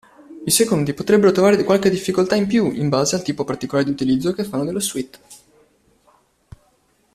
I secondi potrebbero trovare qualche difficoltà in più in base al tipo particolare di utilizzo che fanno della suite.